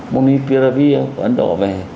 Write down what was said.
monipiravir của ấn độ về